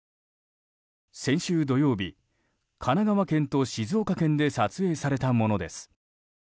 先週土曜日、神奈川県と静岡県で撮影されたものです。